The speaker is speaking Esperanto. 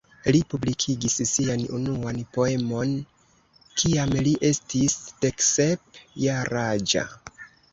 Li publikigis sian unuan poemon kiam li estis deksep jaraĝa.